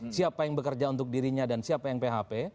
siapa yang bekerja untuk dirinya dan siapa yang php